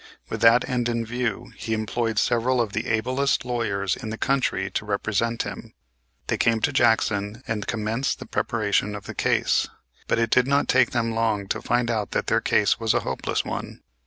With that end in view, he employed several of the ablest lawyers in the country to represent him. They came to Jackson and commenced the preparation of the case, but it did not take them long to find out that their case was a hopeless one.